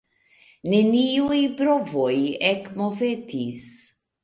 Neniuj brovoj ekmovetis.